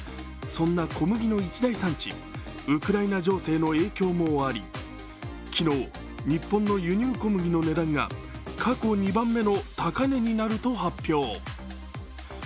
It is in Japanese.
そんな小麦の一大産地、ウクライナ情勢の影響もあり昨日、日本の輸入小麦の値段が過去２番目の高値になると発表。